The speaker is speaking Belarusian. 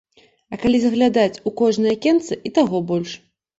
А калі заглядаць у кожнае акенца і таго больш.